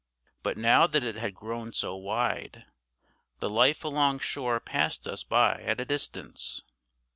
But now that it had grown so wide, the life along shore passed us by at a distance.